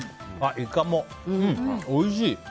イカもおいしい！